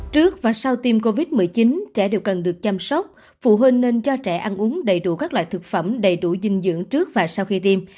trước và sau tiêm covid một mươi chín trẻ đều cần được chăm sóc phụ huynh nên cho trẻ ăn uống đầy đủ các loại thực phẩm đầy đủ dinh dưỡng trước và sau khi tiêm